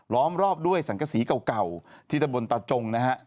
้อมรอบด้วยสังกษีเก่าที่ตะบนตาจงนะฮะ